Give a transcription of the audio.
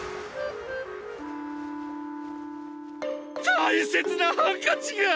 大切なハンカチが！！